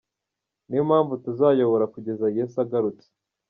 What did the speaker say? Niyo mpamvu tuzayobora kugeza Yesu agarutse…”